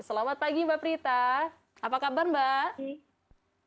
selamat pagi mbak prita apa kabar mbak